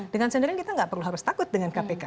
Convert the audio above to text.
dengan sendirian kita tidak perlu harus takut dengan kpk